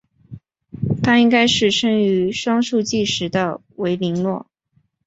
她应该是生于双树纪时的维林诺。